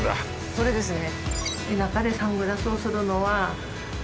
それですね。